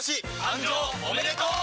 誕生おめでとう！